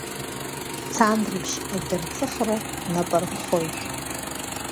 Ҵандрыԥшь акьырҵыхра нап аркхоит.